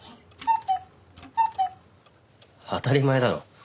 当たり前だろ。